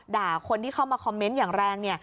ด่าคนที่เข้ามาคอมเมนต์อย่างแรงเนี่ย